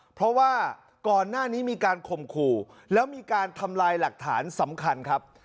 เพราะว่าก่อนหน้านี้มีการข่มขู่แล้วมีการทำลายหลักฐานสำคัญครับ